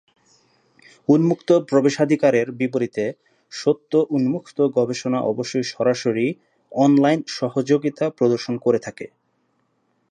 উন্মুক্ত প্রবেশাধিকারের বিপরীতে, সত্য উন্মুক্ত গবেষণা অবশ্যই সরাসরি, অনলাইন সহযোগিতা প্রদর্শন করে থাকে।